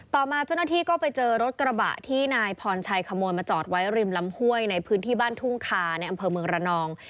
ต่อมาเจ้าหน้าที่ก็ไปเจอรถกระบะที่นายพรชัยขโมยมาจอดไว้ริมลำห้วยในพื้นที่บ้านทุ่งคาในอำเภอเมืองระนอง